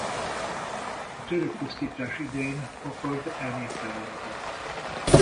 A török pusztítás idején Kakasd elnéptelenedett.